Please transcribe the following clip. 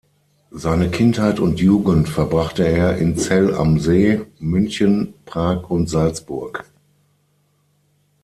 Seine Kindheit und Jugend verbrachte er in Zell am See, München, Prag und Salzburg.